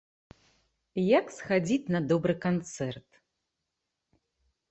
Як схадзіць на добры канцэрт.